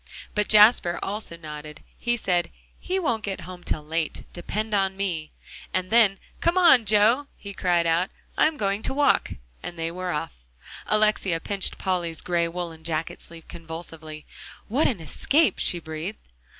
But Jasper also nodded. He said, "He won't get home till late; depend on me." And then "Come on, Joe," he cried; "I'm going to walk," and they were off. Alexia pinched Polly's gray woolen jacket sleeve convulsively. "What an escape," she breathed.